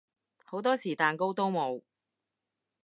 好多時蛋糕都冇